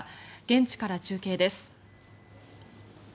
現地から中継です。